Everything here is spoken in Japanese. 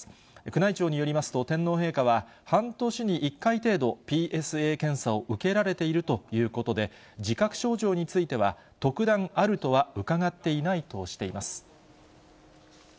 宮内庁によりますと、天皇陛下は、半年に１回程度、ＰＳＡ検査を受けられているということで、自覚症状については特段あるとは伺っていないとしています。